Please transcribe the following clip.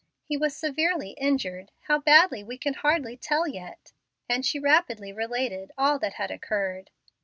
He was severely injured how badly we can hardly tell yet;" and she rapidly related all that had occurred.